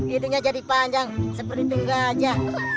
hidungnya jadi panjang seperti itu aja